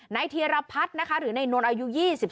ในเทียรพัฒน์นะคะหรือในโน้นอายุ๒๒